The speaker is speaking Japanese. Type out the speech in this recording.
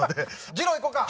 じろういこうか？